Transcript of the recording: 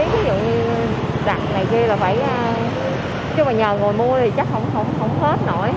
còn thiết dụng đặt này kia là phải chứ mà nhờ ngồi mua thì chắc không hết nổi